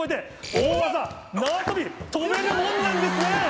大技縄跳び跳べるもんなんですね！